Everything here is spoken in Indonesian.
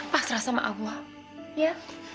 pasrah sama allah ya